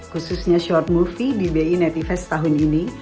khususnya short mofety di bi nativest tahun ini